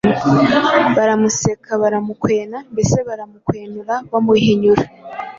baramuseka baramukwena, mbese baramukwenura bamuhinyura;